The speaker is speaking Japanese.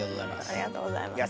ありがとうございます。